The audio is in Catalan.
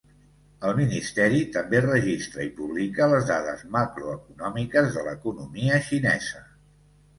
El ministeri també registra i publica les dades macroeconòmiques de l'economia xinesa.